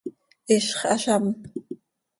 ¡Hizx azám!